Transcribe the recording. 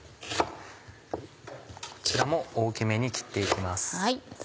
こちらも大きめに切って行きます。